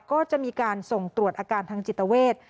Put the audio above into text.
ก็จะมีการส่งตรวจอาการทางจิตเวท